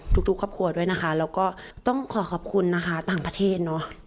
ทุกครอบครัวด้วยนะคะแล้วก็ต้องขอขอบคุณนะคะต่างประเทศเนอะ